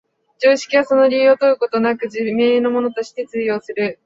常識はその理由を問うことなく、自明のものとして通用する。